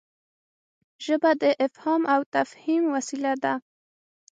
ژبه د افهام او تفهيم وسیله ده.